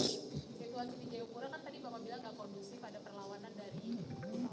situasi di jayapura kan tadi bapak bilang